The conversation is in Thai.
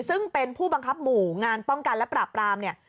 ซึ่งเป็นผู้บังคับหมู่งานป้องกันและปราบรามเนี่ย